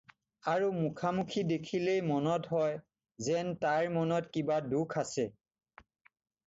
আৰু মুখখনি দেখিলেই মনত হয়, যেন তাইৰ মনত কিবা দুখ আছে।